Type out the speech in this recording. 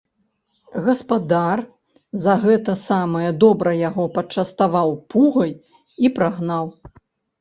Гаспадар за гэта самае добра яго пачаставаў пугай і прагнаў.